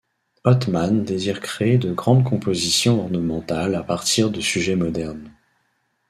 Ottmann désire créer de grandes compositions ornementales à partir de sujets modernes.